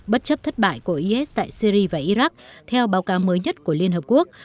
bất chấp thất bại của is tại syri và iraq theo báo cáo mới nhất của liên hợp quốc